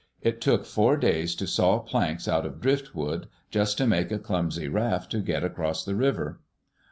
It took four days to saw planks out of driftwood, just to make a clumsy raft to get across the river.